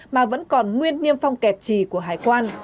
mà vẫn còn nguyên niêm phong kẹp trì của hải quan